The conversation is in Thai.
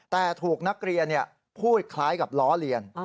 แต่ถูกนักเรียนพูดคล้ายกับล้อเลียน